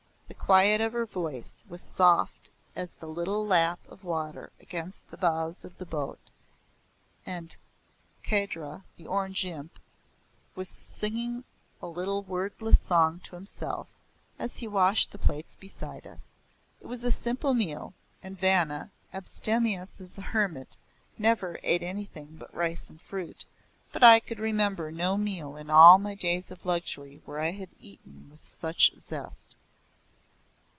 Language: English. The quiet of her voice was soft as the little lap of water against the bows of the boat, and Kahdra, the Orange Imp, was singing a little wordless song to himself as he washed the plates beside us. It was a simple meal, and Vanna, abstemious as a hermit never ate anything but rice and fruit, but I could remember no meal in all my days of luxury where I had eaten with such zest.